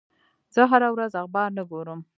زه هره ورځ اخبار نه ګورم.